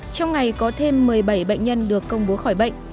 trong ngày có thêm một mươi bảy bệnh nhân được công bố khỏi bệnh